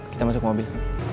kita masuk ke mobil